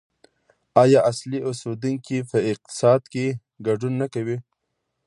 آیا اصلي اوسیدونکي په اقتصاد کې ګډون نه کوي؟